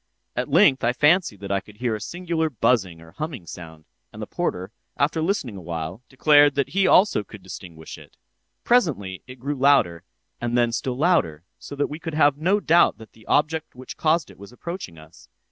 At length I fancied that I could hear a singular buzzing or humming sound; and the porter, after listening awhile, declared that he also could distinguish it. Presently it grew louder, and then still louder, so that we could have no doubt that the object which caused it was approaching us.